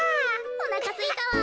おなかすいたわ。